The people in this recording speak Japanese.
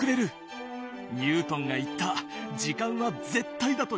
ニュートンが言った時間は絶対だというのは間違いだ。